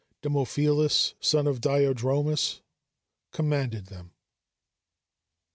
Demophilus, son of Diadromas, commanded them.